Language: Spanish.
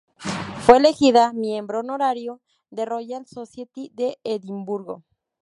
Fue elegida miembro Honorario de Royal Society de Edimburgo.